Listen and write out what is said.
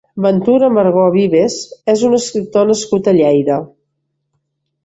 Ventura Margó Vives és un escriptor nascut a Lleida.